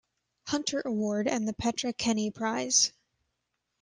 Hunter Award, and the Petra Kenney Prize.